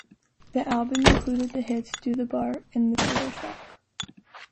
The album included the hits "Do the Bart" and the title track.